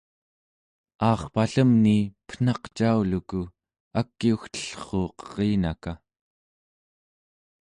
aarpallemni pen̄aq cauluku akiugtellruuq erinaka